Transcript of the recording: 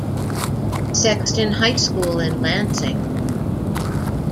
Sexton High School in Lansing.